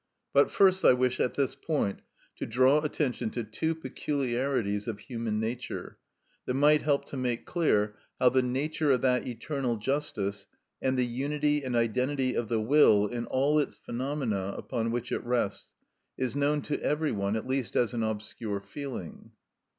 But first I wish at this point to draw attention to two peculiarities of human nature, that might help to make clear how the nature of that eternal justice, and the unity and identity of the will in all its phenomena upon which it rests, is known to every one, at least as an obscure feeling.